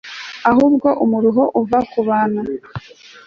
ahubwo umuruho uva ku bantu